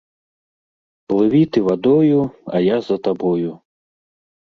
Плыві ты вадою, а я за табою.